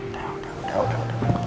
udah udah udah